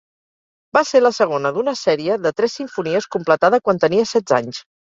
Va ser la segona d'una sèrie de tres simfonies completada quan tenia setze anys.